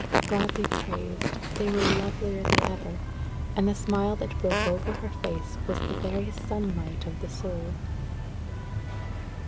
God be praised! They were lovelier than ever. And the smile that broke over her face was the very sunlight of the soul.